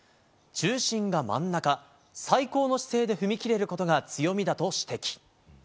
重心が真ん中最高の姿勢で踏み切れることが強みだと指摘。